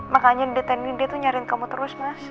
makanya deten dia tuh nyariin kamu terus